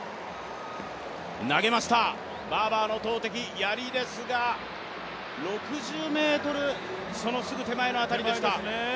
投げました、バーバーの投てき、やりですが６０ｍの手前の辺りでした。